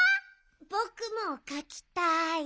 ぼくもかきたい。